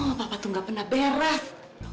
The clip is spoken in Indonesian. ngomong apa pak tuh gak pernah beres